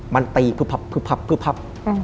มันตีพึบพับพึบพับพึบพับ